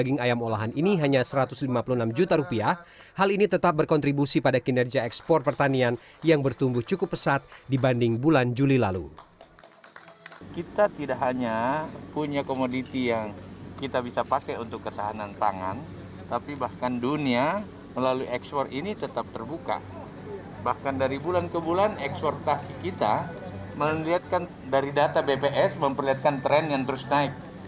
bahkan dari bulan ke bulan eksportasi kita melihatkan dari data bps memperlihatkan tren yang terus naik